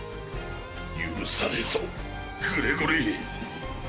許さねえぞグレゴリー！